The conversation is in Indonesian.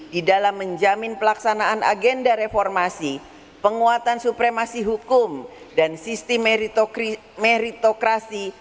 di dalam menjamin pelaksanaan agenda reformasi penguatan supremasi hukum dan sistem meritokrasi